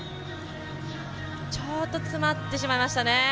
ちょっと詰まってしまいましたね。